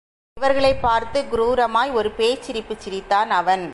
இவர்களைப் பார்த்துக் குரூரமாக ஒரு பேய்ச் சிரிப்புச் சிரித்தான் அவன்.